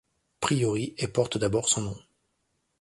Priori et porte d'abord son nom.